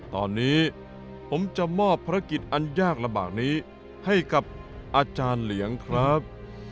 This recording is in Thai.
ตอนนี้ผมจะมอบภารกิจอันยากลำบากนี้ให้กับอาจารย์เหลียงครับ